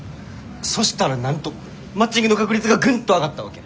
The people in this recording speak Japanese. そしたらなんとマッチングの確率がグンと上がったわけ。